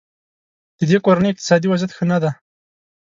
ددې کورنۍ اقتصادي وضیعت ښه نه دی.